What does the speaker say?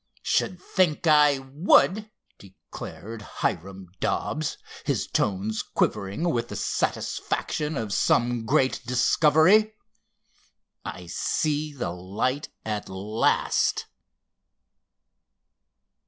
"Should think I would!" declared Hiram Dobbs, his tones quivering with the satisfaction of some great discovery—"I see the light at last!"